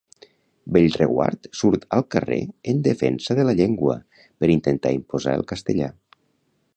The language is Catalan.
Bellreguard surt al carrer en defensa de la llengua per intentar imposar el castellà.